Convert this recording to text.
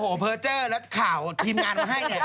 โอ้โหเพอร์เจอร์แล้วข่าวทีมงานมาให้เนี่ย